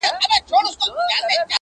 • ما ويل ددې به هېرول نه وي زده.